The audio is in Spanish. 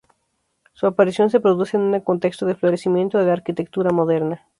Su aparición se produce en un contexto de florecimiento de la arquitectura moderna.